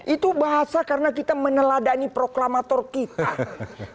itu bahasa karena kita meneladani proklamator kita